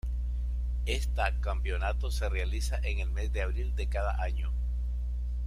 Esta campeonato se realiza en el mes de abril de cada año.